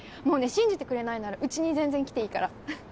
もうね信じてくれないならうちに全然来ていいから。